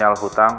yes pak haris